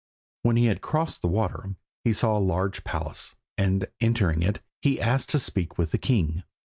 When he had crossed the water, he saw a large palace, and entering it, he asked to speak with the king.